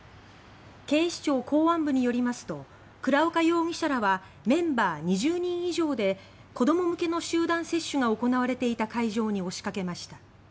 警視庁公安部によりますと倉岡容疑者らはメンバー２０人以上で子ども向けの集団接種が行われていた会場に押しかけました。